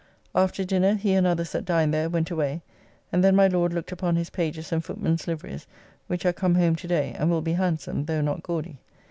After dinner he and others that dined there went away, and then my Lord looked upon his pages' and footmen's liverys, which are come home to day, and will be handsome, though not gaudy.